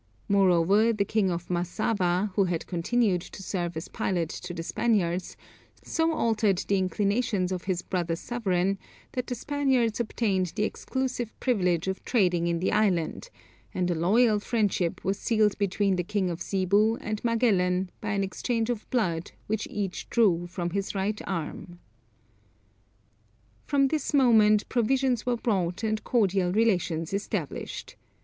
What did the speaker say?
Moreover the king of Massava, who had continued to serve as pilot to the Spaniards, so altered the inclinations of his brother sovereign, that the Spaniards obtained the exclusive privilege of trading in the island, and a loyal friendship was sealed between the king of Zebu and Magellan by an exchange of blood which each drew from his right arm. From this moment, provisions were brought and cordial relations established.